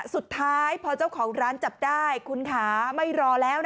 สุดท้ายเจ้าของร้านจับได้คุณคะไม่รอ